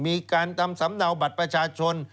มีการทำสำเนาบัตรประชาชน